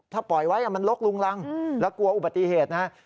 ถ้าปล่อยไว้มันลกลุงรังแล้วกลัวอุบัติเหตุนะครับ